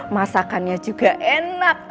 masakannya juga enak